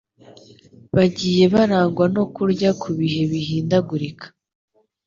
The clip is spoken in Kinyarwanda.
bagiye barangwa no kurya ku bihe bihindagurika.